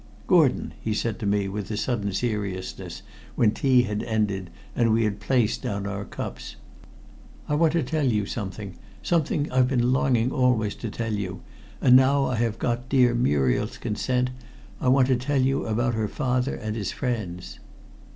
"Gordon," he said to me with a sudden seriousness when tea had ended and we had placed down our cups. "I want to tell you something something I've been longing always to tell you, and now I have got dear Muriel's consent. I want to tell you about her father and his friends."